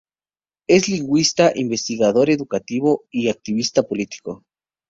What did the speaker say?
Es un lingüista, investigador educativo, y activista político.